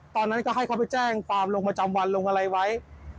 ตอนนั้นก็ให้เขาไปแจ้งความลงประจำวันลงอะไรไว้